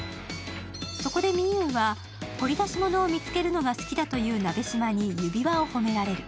そこで美優は、掘り出し物を見つけるのが好きだという鍋島に指輪を褒められる。